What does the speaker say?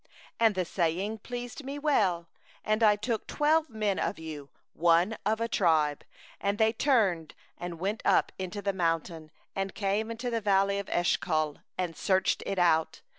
23And the thing pleased me well; and I took twelve men of you, one man for every tribe; 24and they turned and went up into the mountains, and came unto the valley of Eshcol, and spied it out.